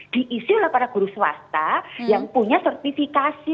diisi oleh para guru swasta yang punya sertifikasi